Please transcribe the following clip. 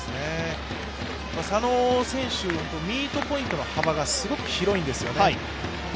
佐野選手、ミートポイントの幅がすごく広いんですよね。